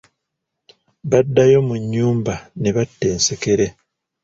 Baddayo mu nnyumba ne batta ensekere.